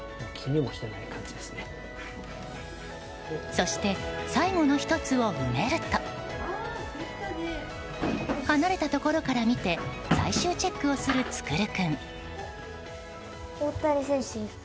そして、最後の１つを埋めると離れたところから見て最終チェックをする創君。